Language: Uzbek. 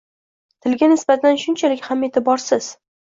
Tilga nisbatan shunchalik ham e’tiborsiz.